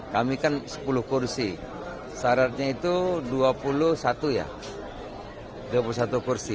kami kan sepuluh kursi syaratnya itu dua puluh satu ya dua puluh satu kursi